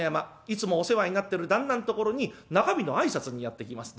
いつもお世話になってる旦那のところに中日の挨拶にやって来ます。